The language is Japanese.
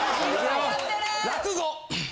落語。